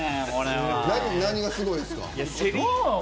何がすごいですか？